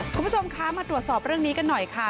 คุณผู้ชมคะมาตรวจสอบเรื่องนี้กันหน่อยค่ะ